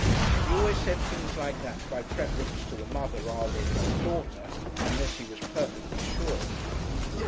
He always said things like that by preference to the mother rather than the daughter unless he was perfectly sure.